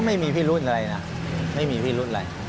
ก็ไม่มีพี่รุ่นอะไรนะไม่มีพี่รุ่นอะไร